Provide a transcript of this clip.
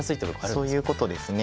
そういうことですね。